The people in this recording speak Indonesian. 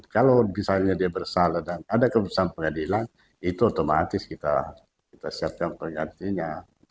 kalau misalnya dia bersalah dan ada keputusan pengadilan itu otomatis kita siapkan pergantinya